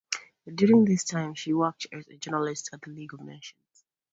During this time she worked as a journalist at the League of Nations.